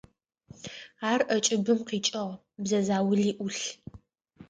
Ар ӏэкӏыбым къикӏыгъ, бзэ заули ӏулъ.